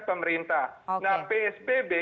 pemerintah nah psbb